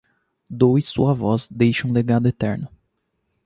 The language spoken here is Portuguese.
Doe sua voz, deixe um legado eterno